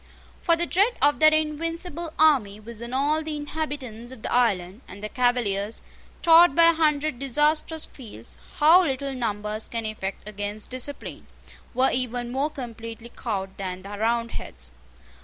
For the dread of that invincible army was on all the inhabitants of the island; and the Cavaliers, taught by a hundred disastrous fields how little numbers can effect against discipline, were even more completely cowed than the Roundheads.